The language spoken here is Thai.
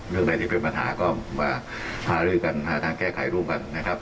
เรื่องใดที่เป็นปัญหาก็มาหารือกันหาทางแก้ไขร่วมกันนะครับ